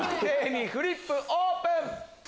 フリップオープン！